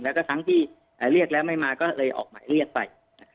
แล้วก็ทั้งที่เรียกแล้วไม่มาก็เลยออกหมายเรียกไป